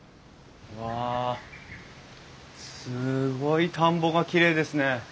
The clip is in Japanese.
わあすごい田んぼがきれいですね。